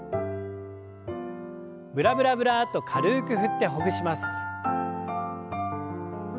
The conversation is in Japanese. ブラブラブラッと軽く振ってほぐします。